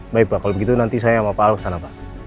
baik pak kalau begitu nanti saya sama pak ahok sana pak